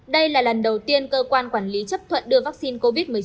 đây là lần đầu tiên cơ quan quản lý chấp thuận đưa vaccine covid một mươi chín